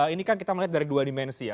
ini kan kita melihat dari dua dimensi ya